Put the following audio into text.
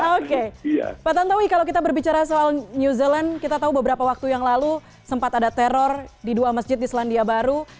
oke pak tantowi kalau kita berbicara soal new zealand kita tahu beberapa waktu yang lalu sempat ada teror di dua masjid di selandia baru